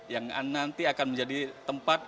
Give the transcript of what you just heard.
yang nanti akan menjadi tempat